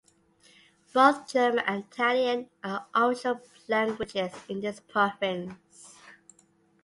Both German and Italian are official languages in this province.